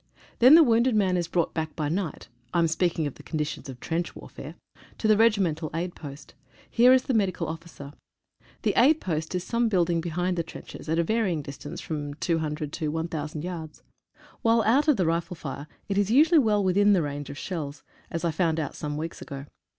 Then the wounded man is brought back by night (I am speaking of the conditions of trench warfare) to the regimental aid post. Here is the medical officer. The aid post is some building behind the trenches, at a varying distance of from 200 to 1,000 yards. While out of the rifle fire it is usually well within range of shells, as I found out some weeks ago.